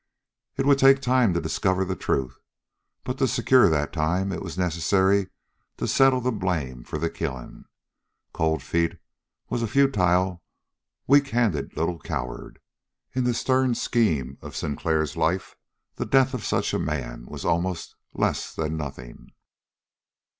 It would take time to discover the truth, but to secure that time it was necessary to settle the blame for the killing. Cold Feet was a futile, weak handed little coward. In the stern scheme of Sinclair's life, the death of such a man was almost less than nothing.